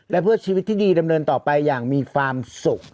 และเพื่อชีวิตที่ดีดำเนินต่อไปอย่างมีความสุข